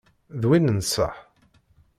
D win n ṣṣeḥ?